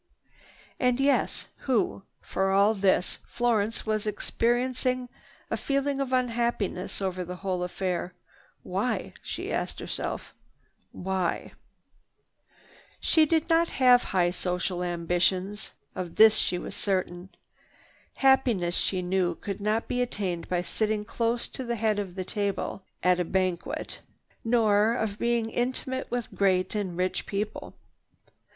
Who?" Ah yes, who? For all this, Florence was experiencing a feeling of unhappiness over the whole affair. "Why?" she asked herself. "Why?" She did not have high social ambitions, of this she was certain. Happiness, she knew, could not be attained by sitting close to the head of the table at a banquet, nor of being intimate with great and rich people.